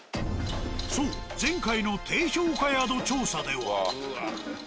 そう前回の低評価宿調査では。